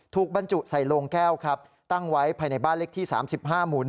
บรรจุใส่โลงแก้วครับตั้งไว้ภายในบ้านเล็กที่๓๕หมู่๑